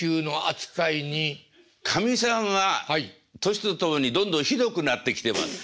かみさんは年と共にどんどんひどくなってきてます。